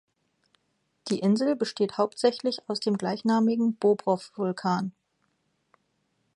Die Insel besteht hauptsächlich aus dem gleichnamigen Bobrof-Vulkan.